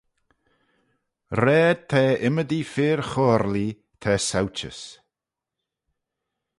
Raaid te ymmydee fir coyrlee ta sauchys.